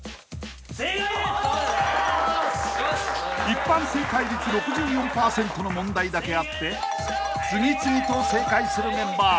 ［一般正解率６４％の問題だけあって次々と正解するメンバー］